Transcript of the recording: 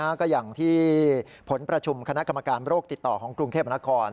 ก็อย่างที่ผลประชุมคณะกรรมการโรคติดต่อของกรุงเทพมนาคม